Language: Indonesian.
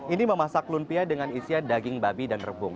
ini memasak lumpia dengan isian daging babi dan rebung